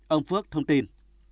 ông phước thông tin